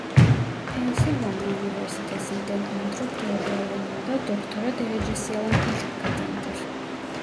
Pensilvanya Üniversitesinden antropoloji alanında doktora derecesi alan ilk kadındır.